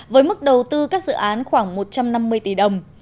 với mức đầu tư các dự án khoảng một trăm năm mươi tỷ đồng